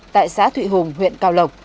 tại xã thụy hùng huyện cao lộc